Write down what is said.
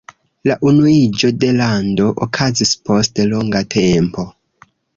La unuiĝo de lando okazis post longa tempo.